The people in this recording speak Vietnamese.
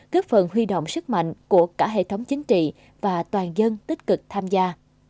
góp phần huy động sức mạnh của cả hệ thống chính trị và toàn dân tích cực tham gia